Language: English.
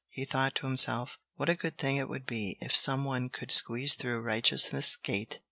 He thought to himself: What a good thing it would be if some one could squeeze through Righteousness' Gate!